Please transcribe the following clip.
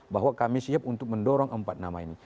bahwa kami siap untuk mendorong empat nama ini